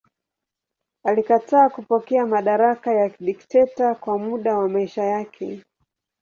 Alikataa kupokea madaraka ya dikteta kwa muda wa maisha yake.